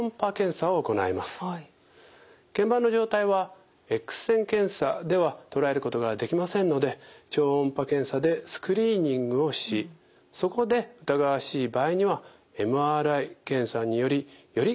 けん板の状態はＸ線検査では捉えることができませんので超音波検査でスクリーニングをしそこで疑わしい場合にはＭＲＩ検査によりより